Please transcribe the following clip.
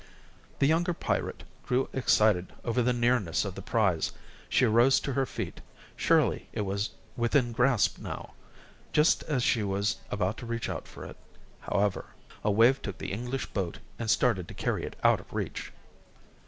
The younger pirate grew excited over the nearness of the prize. She arose to her feet. Surely, it was within grasp now. Just as she was about to reach out for it, however, a wave took the English boat and started to carry it out of reach.